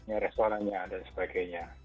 ya restorannya dan sebagainya